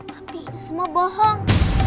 tapi itu semua bohong